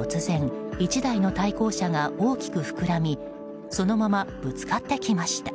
突然、１台の対向車が大きく膨らみそのままぶつかってきました。